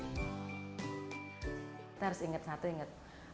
kita harus ingat satu ingat